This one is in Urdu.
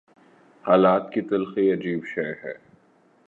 حالات کی تلخی عجیب شے ہے۔